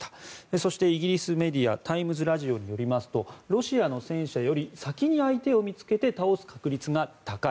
そして、イギリスメディアタイムズ・ラジオによりますとロシアの戦車より先に相手を見つけて倒す確率が高い。